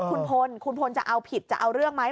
คุณพลคุณพลจะเอาผิดจะเอาเรื่องไหม